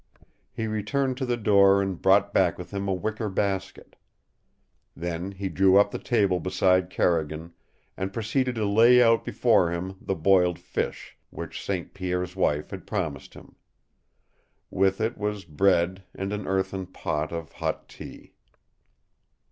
He returned to the door and brought back with him a wicker basket. Then he drew up the table beside Carrigan and proceeded to lay out before him the boiled fish which St. Pierre's wife had promised him. With it was bread and an earthen pot of hot tea.